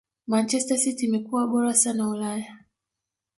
manchester city imekua bora sana ulaya